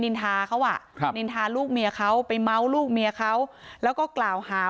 นินทาเขาอ่ะครับนินทาลูกเมียเขาไปเมาส์ลูกเมียเขาแล้วก็กล่าวหา